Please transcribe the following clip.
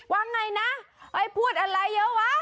ว่าไงนะเฮ้ยพูดอะไรเยอะวะ